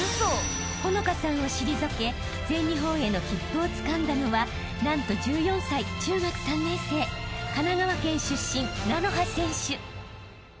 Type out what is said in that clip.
［帆乃花さんを退け全日本への切符をつかんだのは何と１４歳中学３年生神奈川県出身］